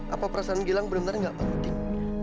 apa perasaan gilang bener bener gak penting